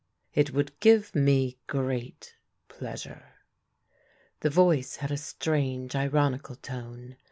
" It would give me great pleasure." The voice had a strange, ironical tone.